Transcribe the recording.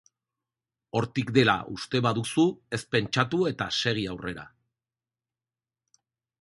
Hortik dela uste baduzu, ez pentsatu, eta segi aurrera.